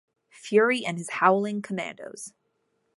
Fury and his Howling Commandos.